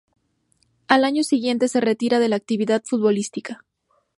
Al año siguiente se retira de la actividad futbolística.